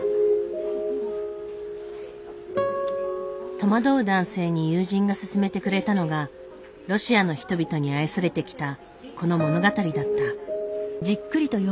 戸惑う男性に友人が薦めてくれたのがロシアの人々に愛されてきたこの物語だった。